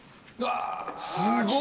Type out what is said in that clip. すごい！